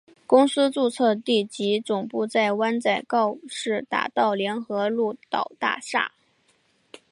公司注册地及总部在湾仔告士打道联合鹿岛大厦。